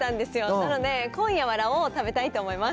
なので、今夜はラ王を食べたいと思います。